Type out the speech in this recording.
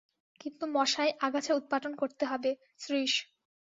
কিন্তু মশায়, আগাছা উৎপাটন করতে হবে– শ্রীশ।